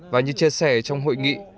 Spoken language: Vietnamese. và như chia sẻ trong hội nghị